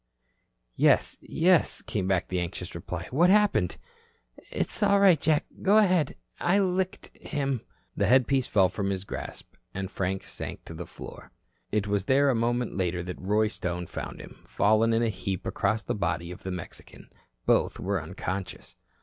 "Yes, yes," came back the anxious reply. "What happened?" "It's all right, Jack. Go ahead. I licked him." The headpiece fell from his grasp. Frank sank to the floor. It was there a moment later that Roy Stone found him, fallen in a heap across the body of the Mexican. Both were unconscious.